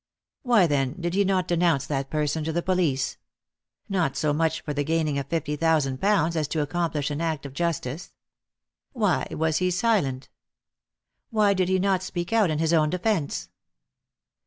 Why, then, did he not denounce that person to the police? not so much for the gaining of fifty thousand pounds as to accomplish an act of justice. Why was he silent? Why did he not speak out in his own defence?